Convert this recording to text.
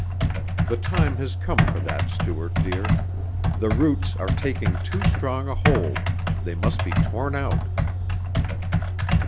The time has come for that Stuart, dear ... the roots are taking too strong a hold ... they must be torn out."